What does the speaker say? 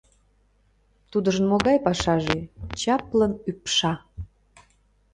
Тудыжын могай пашаже: «чаплын ӱпша».